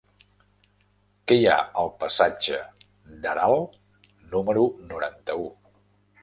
Què hi ha al passatge d'Aral número noranta-u?